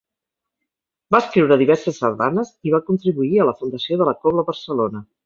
Va escriure diverses sardanes i va contribuir a la fundació de la Cobla Barcelona.